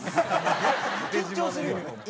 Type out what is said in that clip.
緊張するよね。